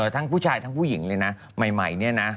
ทั้งผู้ชายทั้งผู้หญิงเลยนะใหม่เนี่ยนะ